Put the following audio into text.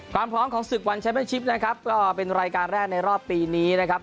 ความพร้อมของศึกวันแชมเป็นชิปนะครับก็เป็นรายการแรกในรอบปีนี้นะครับ